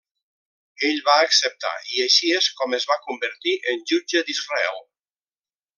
Ell va acceptar i així és com es va convertir en jutge d'Israel.